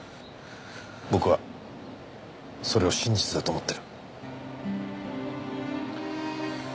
僕はそれを真実だと思ってる。